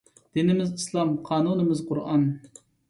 دىنىمىز ئىسلام قانۇنىمىز قۇرئان